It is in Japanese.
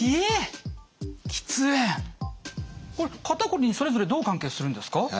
これ肩こりにそれぞれどう関係するんですか？